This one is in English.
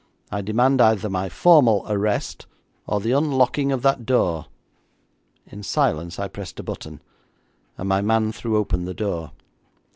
I demand either my formal arrest, or the unlocking of that door.' In silence I pressed a button, and my man threw open the door.